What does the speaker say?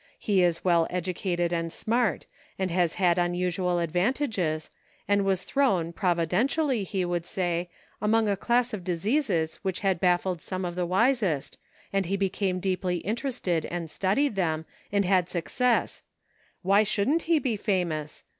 He is well educated and smart, and has had unusual advantages, and was thrown, providen tially, he would say, among a class of diseases which had baffled some of the wisest, and he became deeply interested and studied them, and had suc cess. Why shouldn't he be famous?